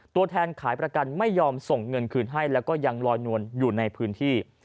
ตัวแทนขายประกันไม่ยอมส่งเงินคืนให้แล้วก็ยังลอยนวลอยู่ในพื้นที่